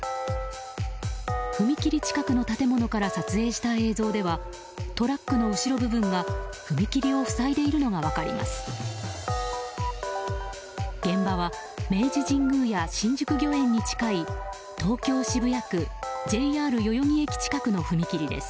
踏切近くの建物から撮影した映像ではトラックの後ろ部分が踏切を塞いでいるのが分かります。